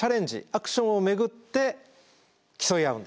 アクションを巡って競い合うんです。